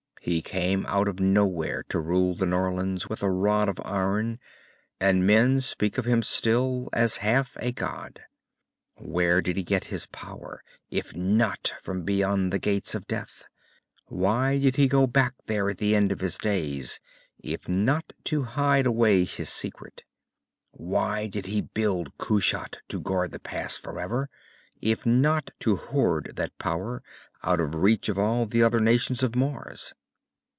He came out of nowhere to rule the Norlands with a rod of iron, and men speak of him still as half a god. Where did he get his power, if not from beyond the Gates of Death? Why did he go back there at the end of his days, if not to hide away his secret? Why did he build Kushat to guard the pass forever, if not to hoard that power out of reach of all the other nations of Mars?